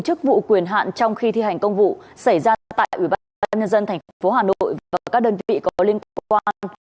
chức vụ quyền hạn trong khi thi hành công vụ xảy ra tại ủy ban nhân dân tp hà nội và các đơn vị có liên quan